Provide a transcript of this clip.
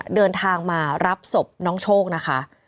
เดินทางมารับศพน้องโชคนะคะ